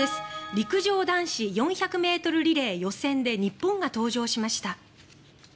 陸上男子４００ｍリレー予選で日本が登場しました。